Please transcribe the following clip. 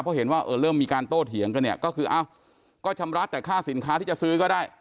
เพราะเห็นว่าเริ่มมีการโต้เถียงก็คือก็ชำระแต่ค่าสินค้าที่จะซื้อก็ได้